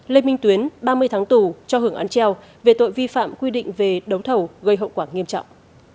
lê minh tuyến ba mươi tháng tù cho hưởng án treo về tội vi phạm quy định về đấu thầu gây hậu quả nghiêm trọng